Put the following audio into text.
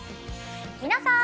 皆さん。